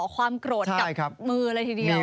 ความกรดกับมือเลยทีเดียวใช่ครับ